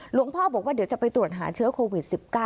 หลวงพ่อบอกว่าเดี๋ยวจะไปตรวจหาเชื้อโควิด๑๙